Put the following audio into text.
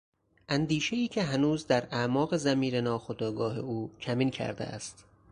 اندیشهای که هنوز در اعماق ضمیر ناخودآگاه او کمین کرده است